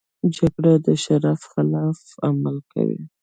جګړه د شرف خلاف عمل دی